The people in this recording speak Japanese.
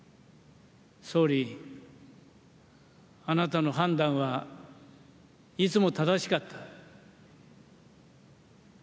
総理、あなたの判断はいつも正しかった。